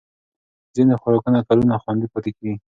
ځینې خوراکونه کلونه خوندي پاتې کېږي.